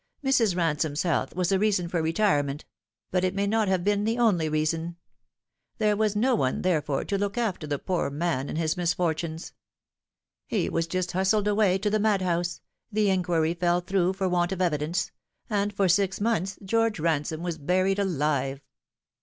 Mrs. Ransome's health was a reason for retire ment ; but it may not have been the only reason. There was no one, therefore, to look after the poor man in his misfortunes. He was just hustled away to the madhouse the inquiry fell through for want of evidence and for six months George Ransome was buried alive.